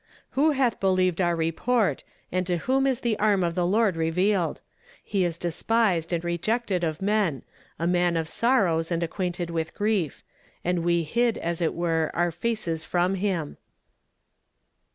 "Who hath believed our report, and to whom is the arm of the Lord revealed? He is despised and re jected of men, a man of sorrows and acquainted with grief ; and we hid, as it were, our faces from him."